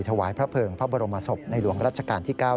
ถวายพระเภิงพระบรมศพในหลวงรัชกาลที่๙